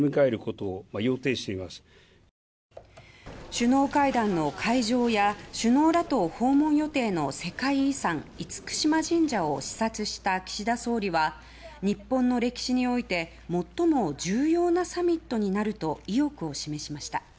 首脳会談の会場や首脳らと訪問予定の世界遺産・厳島神社を視察した岸田総理は日本の歴史において最も重要なサミットになると意欲を示しました。